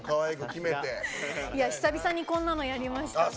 久々にこんなのやりました。